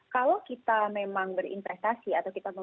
kalau kita memang berinvestasi atau kita